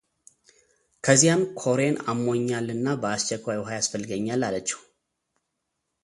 ከዚያም ኮሬን አሞኛልና በአስቸኳይ ውሃ ያስፈልገኛል አለችው፡፡